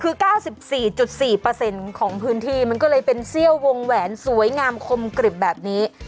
คือ๙๔๔ของพื้นที่มันก็เลยเป็นเซี่ยววงแหวนสวยงามคมกริบแบบนี้